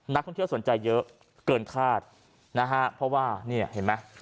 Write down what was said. นักท่องเที่ยวสนใจเยอะเกินคาดนะฮะเพราะว่าเนี่ยเห็นไหม